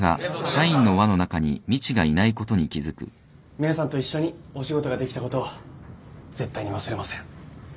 皆さんと一緒にお仕事ができたこと絶対に忘れません。